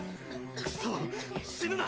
クソッ死ぬな！